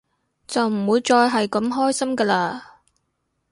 就唔會再係咁開心㗎喇